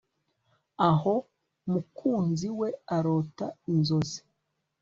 aho mukunzi we arota inzozi